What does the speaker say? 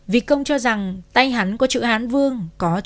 vì công cho rằng tay hắn có chữ hán vương